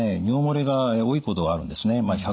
尿漏れが多いことがあるんですね。